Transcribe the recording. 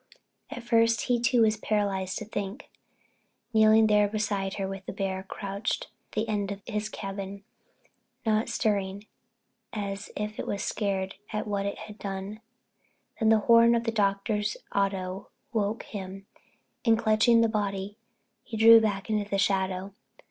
At first he was too paralyzed to think, kneeling there beside her with the bear crouched at the end of his chain, not stirring as if it was scared at what it had done. Then the horn of the Doctor's auto woke him and, clutching the body, he drew back into the shadow.